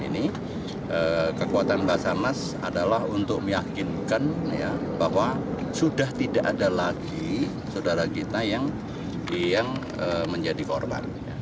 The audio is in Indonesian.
ini kekuatan basarnas adalah untuk meyakinkan bahwa sudah tidak ada lagi saudara kita yang menjadi korban